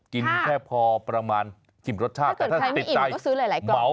กินแค่พอประมาณชิมรสชาติแต่ถ้าใจไม่อิ่มก็ซื้อหลายกรอบ